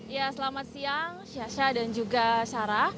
ya selamat siang syaza dan juga syara